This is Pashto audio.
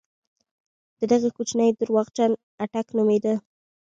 د دغې کوڅې درواغجن اټک نومېده.